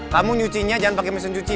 kamu nyucinya jangan pakai mesin cuci